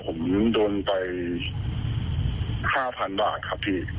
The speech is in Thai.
ผมโดนไป๕๐๐๐บาทครับพี่